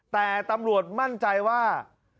แต่ตำรวจมั่นใจว่า